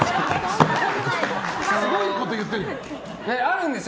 すごいこと言ってるよ。